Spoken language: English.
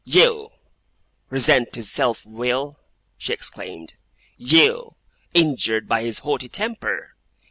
'You, resent his self will!' she exclaimed. 'You, injured by his haughty temper!